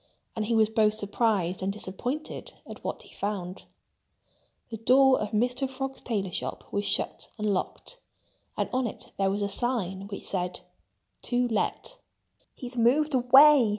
And he was both surprised and disappointed at what he found. The door of Mr. Frog's tailor's shop was shut and locked. And on it there was a sign, which said: TO LET "He's moved away!"